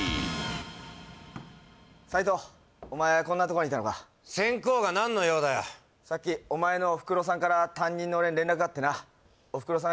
こんなところにいたのか先公が何の用だよさっきおまえのおふくろさんから担任の俺に連絡があってなおふくろさん